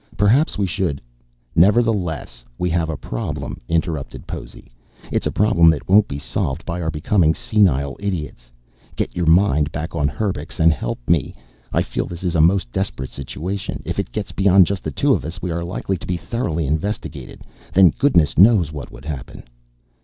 Perhaps we should " "Nevertheless, we have a problem," interrupted Possy. "It's a problem that won't be solved by our becoming senile idiots. Get your mind back on Herbux, and help me. I feel this is a most desperate situation. If it gets beyond just the two of us, we are likely to be thoroughly investigated. Then goodness knows what would happen."